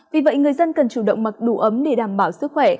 vì vậy người dân cần chủ động mặc đủ ấm để đảm bảo sức khỏe